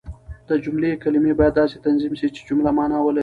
د جملې کلیمې باید داسي تنظیم سي، چي جمله مانا ولري.